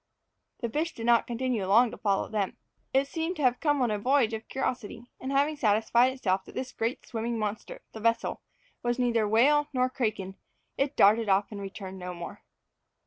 The fish did not continue long to follow them. It seemed to have come on a voyage of curiosity, and having satisfied itself that this great swimming monster, the vessel, was neither whale nor kraken, it darted off and returned no more.